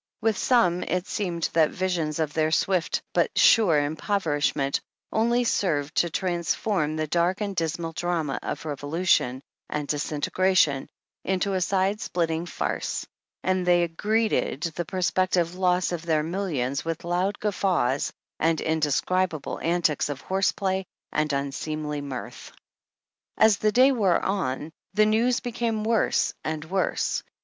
With some, it seemed that visions of their swift but sure impoverishment only served to transform the dark and dismal drama of revolution and disintegration into a side splitting farce, and they greeted the pro spective loss of their millions with loud guffaws and indescribable antics of horseplay and unseemly mirth. As the day wore on, the news became worse and worse.